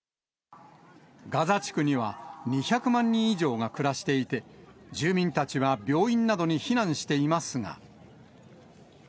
ガザ地区には２００万人以上が暮らしていて、住民たちは病院などに避難していますが。